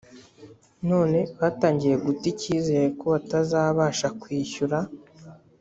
none batangiye guta icyizere ko batazabasha kwishyura